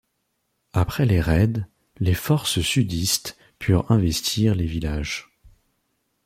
Après les raids, les forces sudistes purent investir les villages.